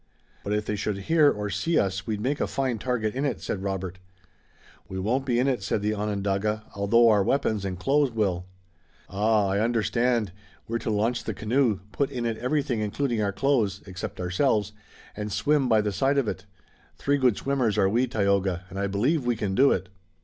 "But if they should hear or see us we'd make a fine target in it," said Robert. "We won't be in it," said the Onondaga, "although our weapons and clothes will." "Ah, I understand! We're to launch the canoe, put in it everything including our clothes, except ourselves, and swim by the side of it. Three good swimmers are we, Tayoga, and I believe we can do it."